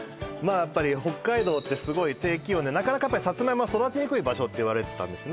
やっぱり北海道ってすごい低気温でなかなかやっぱりサツマイモが育ちにくい場所って言われてたんですね